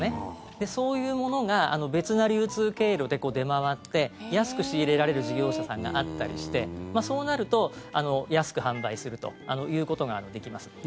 そういうものが別な流通経路で出回って安く仕入れられる事業者さんがあったりしてそうなると安く販売するということができます。